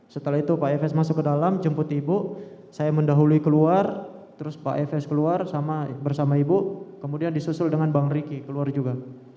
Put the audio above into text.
setelah itu pak efes masuk ke dalam jemput ibu saya mendahului keluar terus pak efes keluar bersama ibu kemudian disusul dengan bang riki keluar juga